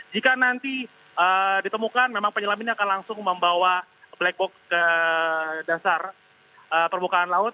jika nanti ditemukan memang penyelam ini akan langsung membawa black box ke dasar permukaan laut